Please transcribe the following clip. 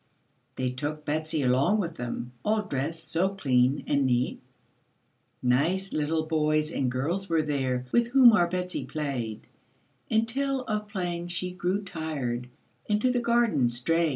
They took Betsy along with them, All dressed so clean and neat. Nice little boys and girls were there, With whom our Betsy played, Until of playing she grew tired, And to the garden strayed.